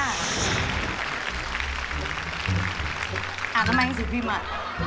อ่าทำไมที่สุดพี่มา